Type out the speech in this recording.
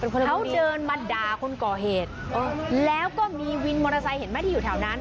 เขาเดินมาด่าคนก่อเหตุแล้วก็มีวินมอเตอร์ไซค์เห็นไหมที่อยู่แถวนั้น